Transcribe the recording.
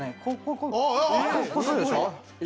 これ、こうするんでしょ。